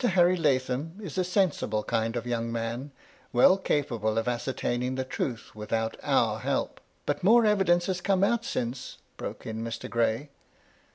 Harry Lathom is a sensible kind of young man, well capable of ascertaining the truth without our help —" "But more evidence has come out since," broke in Mr. Gray.